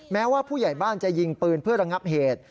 แม้ว่าผู้ใหญ่บ้านจะยิงปืนเพื่อระงับเหตุ